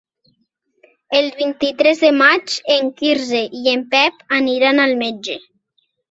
El vint-i-tres de maig en Quirze i en Pep aniran al metge.